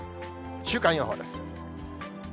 週間予報です。